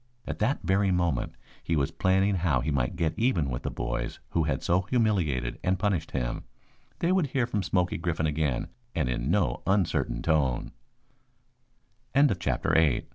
At that very moment he was planning how he might get even with the boys who had so humiliated and punished him. They would hear from Smoky Griffin again and in no uncertain tone. CHAPTER IX REVENGE ALMOST AT HAND "I'm sorry, Mr. Smoke, tha